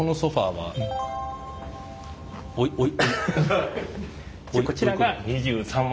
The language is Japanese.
はい。